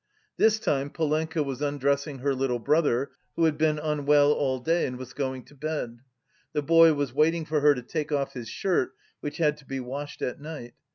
This time Polenka was undressing her little brother, who had been unwell all day and was going to bed. The boy was waiting for her to take off his shirt, which had to be washed at night.